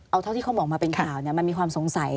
เอาเท่าที่เขาบอกมาเป็นข่าวมันมีความสงสัย